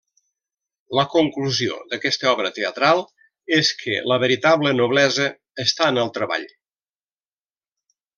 La conclusió d'aquesta obra teatral és que la veritable noblesa està en el treball.